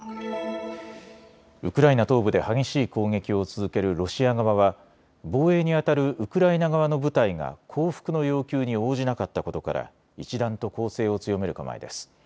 ウクライナ東部で激しい攻撃を続けるロシア側は防衛にあたるウクライナ側の部隊が降伏の要求に応じなかったことから一段と攻勢を強める構えです。